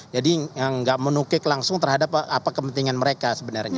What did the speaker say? jadi enggak menukik langsung terhadap apa kepentingan mereka sebenarnya